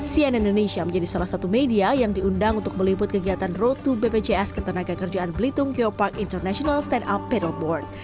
cnn indonesia menjadi salah satu media yang diundang untuk meliput kegiatan road to bpjs ketenaga kerjaan belitung geopark international stand up pattle board